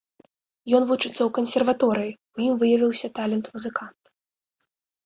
Ён вучыцца ў кансерваторыі, у ім выявіўся талент музыканта.